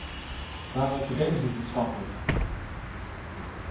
Waarom verdedig ik dit standpunt?